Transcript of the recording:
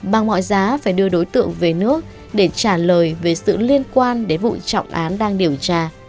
bằng mọi giá phải đưa đối tượng về nước để trả lời về sự liên quan đến vụ trọng án đang điều tra